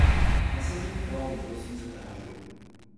Nasazení trvalo do prosince téhož roku.